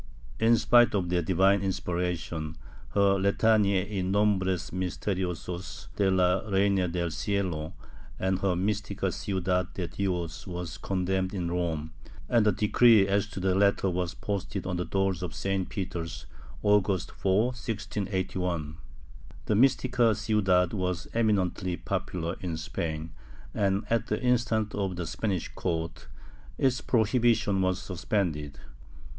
In spite of their divine inspiration, her Letania y nombres misteriosos de la Reina del Cielo and her Mistica Ciudad de Dios were condemned in Rome, and the decree as to the latter was posted on the doors of St. Peter's, August 4, 1681. The Mistica Ciudad was eminently popular in Spain and, at the instance of the Spanish court, its prohibition was suspended.